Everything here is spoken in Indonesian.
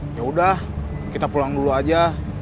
ya udah kita pulang dulu aja